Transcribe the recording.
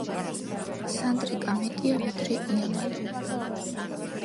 სანდრიკა მეტია ვიდრე იამალი